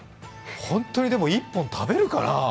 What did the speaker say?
本当にでも１本食べるかな？